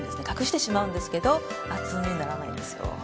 隠してしまうんですけど厚塗りにならないんですよ。